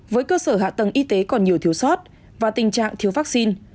với cơ sở hạ tầng y tế còn nhiều thiếu sót và tình trạng thiếu vaccine